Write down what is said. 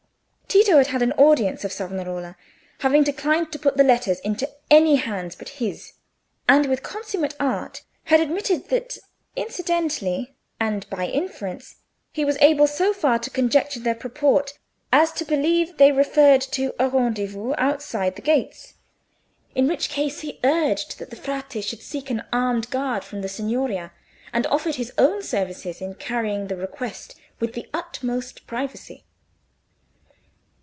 Tito had had an audience of Savonarola, having declined to put the letters into any hands but his, and with consummate art had admitted that incidentally, and by inference, he was able so far to conjecture their purport as to believe they referred to a rendezvous outside the gates, in which case he urged that the Frate should seek an armed guard from the Signoria, and offered his services in carrying the request with the utmost privacy.